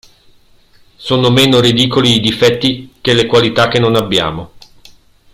Sono meno ridicoli i difetti che le qualità che non abbiamo.